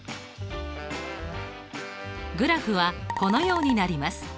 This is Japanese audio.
グラフはこのようになります。